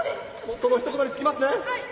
そのひと言に尽きますね。